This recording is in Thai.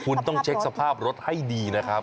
คุณต้องเช็คสภาพรถให้ดีนะครับ